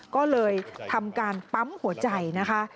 ก็เลยทำการปั๊มหัวใจนะคะ